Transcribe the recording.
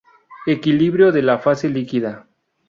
Equilibrio de la fase líquida.